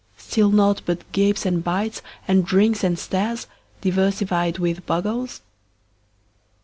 Still naught but gapes and bites, And drinks and stares, diversified with boggles?